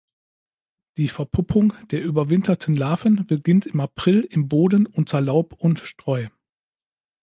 Die Verpuppung der überwinterten Larven beginnt im April im Boden unter Laub und Streu.